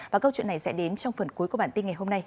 và câu chuyện này sẽ đến trong phần cuối của bản tin ngày hôm nay